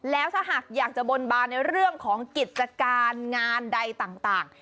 แล้วถ้าหากอยากจะบนบานในเรื่องของกิจการงานใดต่าง